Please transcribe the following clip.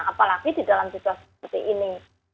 apalagi di dalam situasi seperti ini